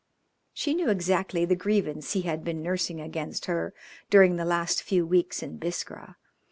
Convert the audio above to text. She knew exactly the grievance he had been nursing against her during the last few weeks in Biskra.